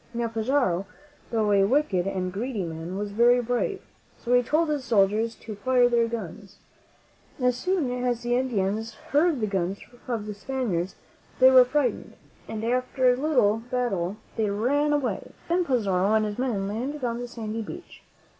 Now, Pizarro, though a wicked and greedy man, was very brave; so he told his soldiers to fire their guns. As soon as the In dians heard the guns of the Spaniards they were frightened, and after a little battle they ran away. Then Pizarro and his men landed on the sandy beach.